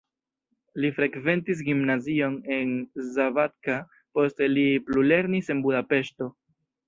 Li frekventis gimnazion en Szabadka, poste li plulernis en Budapeŝto.